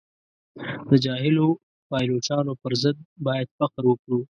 د جاهلو پایلوچانو پر ځای باید فخر وکړو.